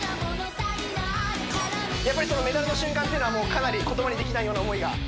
やっぱりそのメダルの瞬間っていうのはもうかなり言葉にできないような思いが？